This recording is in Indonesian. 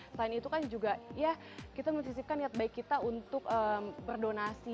selain itu kan juga ya kita mencisipkan niat baik kita untuk berdonasi